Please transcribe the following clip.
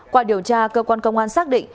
qua điều tra cơ quan công an xác định